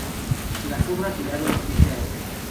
Las obras duraron siete años.